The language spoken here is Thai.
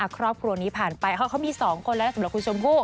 ครอบครัวนี้ผ่านไปเขามี๒คนแล้วสำหรับคุณชมพู่